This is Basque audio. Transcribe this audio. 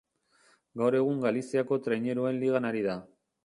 Gaur egun Galiziako Traineruen Ligan ari da.